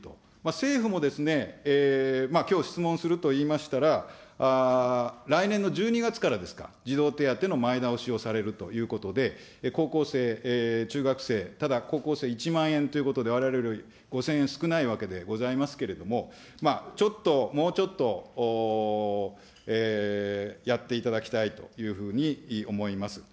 政府もですね、きょう、質問すると言いましたら、来年の１２月からですか、児童手当の前倒しをされるということで、高校生、中学生、ただ高校生１万円ということで、われわれより５０００円少ないわけでございますけれども、ちょっと、もうちょっと、やっていただきたいというふうに思います。